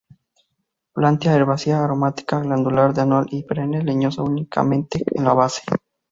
Planta herbácea, aromática, glandular, de anual a perenne, leñosa únicamente en la base.